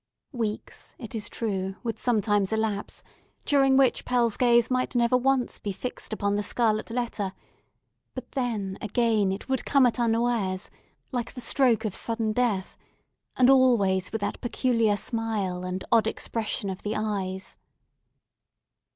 Weeks, it is true, would sometimes elapse, during which Pearl's gaze might never once be fixed upon the scarlet letter; but then, again, it would come at unawares, like the stroke of sudden death, and always with that peculiar smile and odd expression of the eyes.